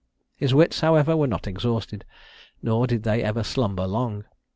His wits, however, were not exhausted, nor did they ever slumber long.